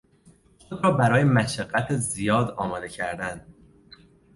خود را برای مشقت زیاد آماده کردن